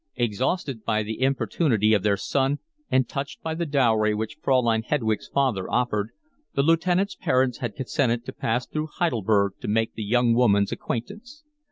Exhausted by the importunity of their son and touched by the dowry which Fraulein Hedwig's father offered, the lieutenant's parents had consented to pass through Heidelberg to make the young woman's acquaintance.